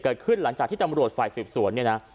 เกิดขึ้นหลังจากที่ตำรวจฝ่ายสูญสวนเนี่ยนะ